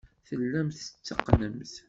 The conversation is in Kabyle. Tellamt tetteqqnemt.